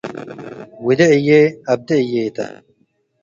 “ውዴ እዬ”፣ አብዴ እዬ ተ።